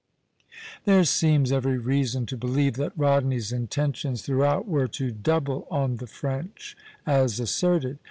] There seems every reason to believe that Rodney's intentions throughout were to double on the French, as asserted.